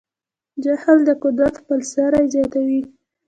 جهل د قدرت خپل سری زیاتوي.